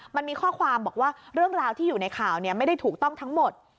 มันมีข้อความบอกว่าเรื่องราวที่อยู่ในข่าวไม่ได้ถูกต้องทั้งหมด